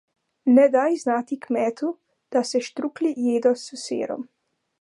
Ne daj znati kmetu, da se štruklji jedo s sirom.